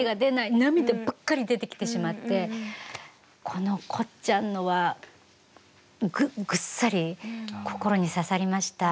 涙ばっかり出てきてしまってこのこっちゃんのはぐっさり心に刺さりました。